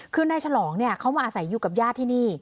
คือนายฉลองเนี่ยเขามาอาศัยอยู่กับญาติที่นี่